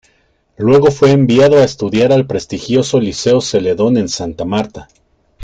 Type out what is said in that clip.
Luego fue enviado a estudiar al prestigioso Liceo Celedón en Santa Marta.